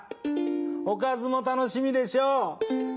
おかずも楽しみでしょ。